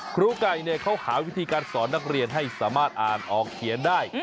ครูไก่เขาหาวิธีการสอนนักเรียนให้สามารถอ่านออกเขียนได้